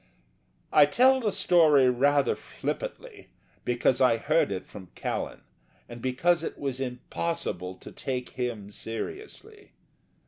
I tell the story rather flippantly, because I heard it from Callan, and because it was impossible to take him seriously.